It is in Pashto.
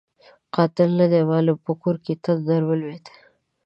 قاتل نه دی معلوم؛ په کور یې تندر ولوېد.